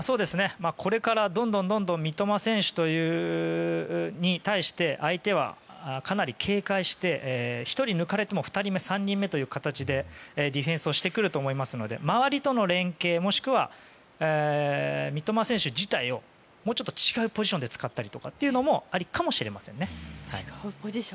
これからどんどん三笘選手に対して相手は、かなり警戒して１人抜かれても２人目、３人目という形でディフェンスしてくると思いますので周りとの連携、もしくは三笘選手自体をもうちょっと違うポジションで使うのもありかもしれないです。